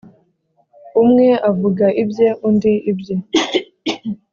Umwe avuga ibye undi ibye